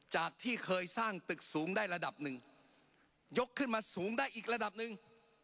จากที่เคยสร้างตึกสูงได้ระดับหนึ่งยกขึ้นมาสูงได้อีกระดับหนึ่ง